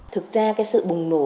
thực ra cái sự bùng nổ